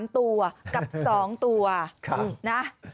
๓ตัวกับ๒ตัวนะ